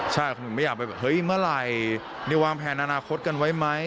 ใช่ผมไม่อยากไปแบบเฮ้ยเมื่อไหร่วางแผนอนาคตกันไว้ไหม